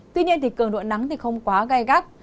tuy nhiên cường độ nắng không quá gai gắt